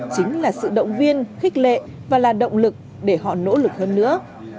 chính là sự động viên khích lệ và là động lực để họ nỗ lực hơn nữa